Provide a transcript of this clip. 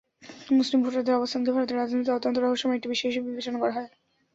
মুসলিম ভোটারদের অবস্থানকে ভারতের রাজনীতিতে অত্যন্ত রহস্যময় একটি বিষয় হিসেবে বিবেচনা করা হয়।